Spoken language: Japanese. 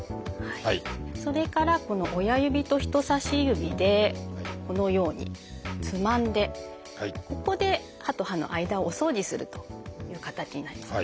それからこの親指と人さし指でこのようにつまんでここで歯と歯の間をお掃除するという形になります。